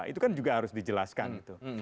itu kan juga harus dijelaskan gitu